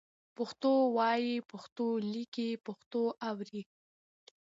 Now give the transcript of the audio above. پښتو وایئ، پښتو لیکئ، پښتو اورئ